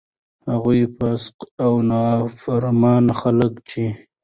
هغه فاسق او نا فرمانه خلک چې: